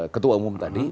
ketua umum tadi